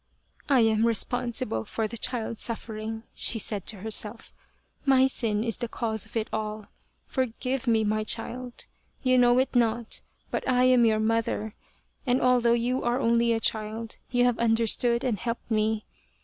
" I am really responsible for the child's suffering," she said to herself" my sin is the cause of it all ; forgive me, my child you know it not, but I am your mother ; and although you are only a child you have understood and helped me.